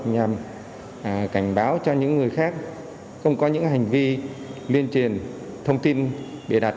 nhằm cảnh báo cho những người khác không có những hành vi liên truyền thông tin bịa đặt